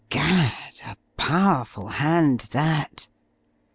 Gad! a powerful hand that!